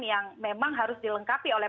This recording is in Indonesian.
yang memang harus dilengkapi oleh